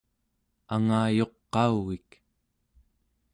angayuqauvik